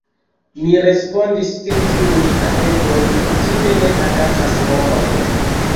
Mi respondis, ke tiuj kategoj kutime ne atakas homojn.